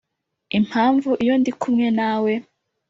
impamvu iyo ndi kumwe nawe